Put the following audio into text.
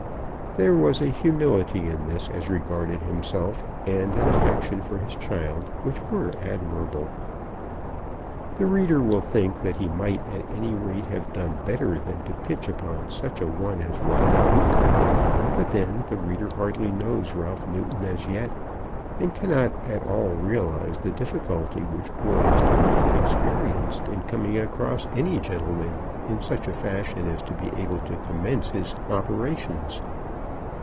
There was a humility in this as regarded himself and an affection for his child which were admirable. The reader will think that he might at any rate have done better than to pitch upon such a one as Ralph Newton; but then the reader hardly knows Ralph Newton as yet, and cannot at all realise the difficulty which poor Mr. Neefit experienced in coming across any gentleman in such a fashion as to be able to commence his operations.